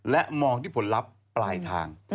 และมองที่ผลลัพธ์ปลายทาง